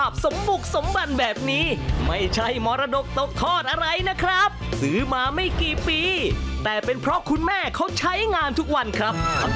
อันนี้ตอนซื้อมาเท่าไรรู้ไหม